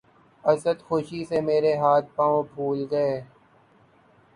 اسد! خوشی سے مرے ہاتھ پاؤں پُھول گئے